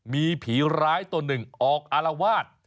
มีผีร้ายตัวหนึ่งออกอารวาส